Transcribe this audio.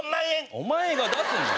お前が出すんだよ！